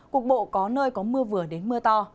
cục bộ có nơi có mưa vừa đến mưa to